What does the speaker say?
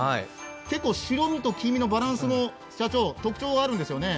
結構白身と黄身のバランスも特徴があるんですよね。